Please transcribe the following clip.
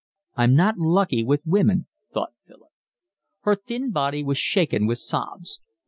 "I'm not lucky with women," thought Philip. Her thin body was shaken with sobs.